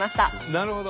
なるほど。